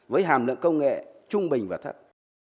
với hàm lượng công nghệ trung bình và thật